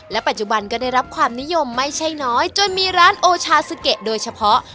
ปัจจุบันก็ได้รับความนิยมไม่ใช่น้อยจนมีร้านโอชาซูเกะโดยเฉพาะ